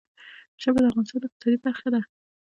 ژبې د افغانستان د اقتصاد برخه ده.